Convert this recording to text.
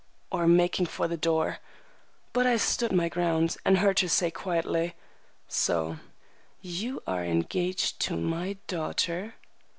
or making for the door. But I stood my ground, and heard her say quietly,— "So you are engaged to my daughter?"